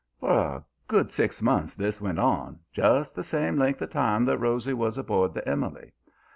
"For a good six months this went on just the same length of time that Rosy was aboard the Emily.